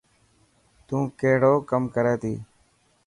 تون ڪهڙو ڪم ڪري ٿي.